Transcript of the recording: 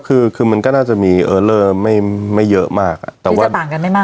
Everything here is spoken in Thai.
คือคือมันก็น่าจะมีเออเลอร์ไม่ไม่เยอะมากอ่ะแต่ว่าต่างกันไม่มาก